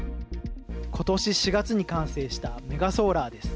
ことし４月に完成したメガソーラーです。